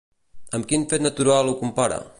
Amb quin fet natural ho compara?